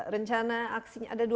rencana aksinya ada dua belas tadi